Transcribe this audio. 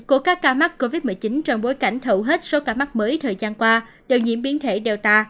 của các ca mắc covid một mươi chín trong bối cảnh hầu hết số ca mắc mới thời gian qua đều nhiễm biến thể data